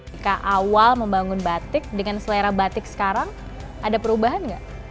jika awal membangun batik dengan selera batik sekarang ada perubahan nggak